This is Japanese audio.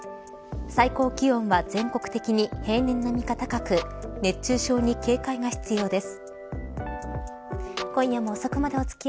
最高気温は全国的に平年並みか高く熱中症に警戒が必要です。